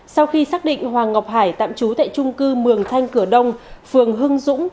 sau khi xác định hoàng ngọc hải tạm trú tại trung cư mường thanh cửa đông phường hưng dũng